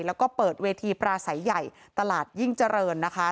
แล้วก็เปิดเวทีปราศัยใหญ่ตลาดยิ่งเจริญนะคะ